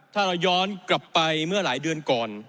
ถ้าเราย้อนกลับไปเมื่อหลายเดือนก่อน